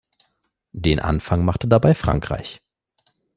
Den Anfang machte dabei Frankreich.